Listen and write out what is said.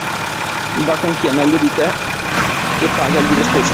Va con chi è meglio di te e pagagli le spese.